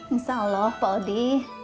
insya allah pak odi